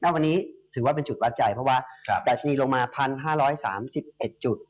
วันนี้ถือว่าเป็นจุดวัดใจเพราะว่าดัชนีลงมา๑๕๓๑จุด